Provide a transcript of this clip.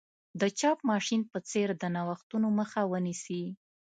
د چاپ ماشین په څېر د نوښتونو مخه ونیسي.